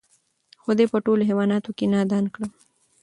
خدای په ټولوحیوانانو کی نادان کړم